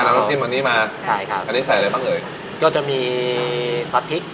เอาน้ำจิ้มอันนี้มาใช่ครับอันนี้ใส่อะไรบ้างเอ่ยก็จะมีซอสพริก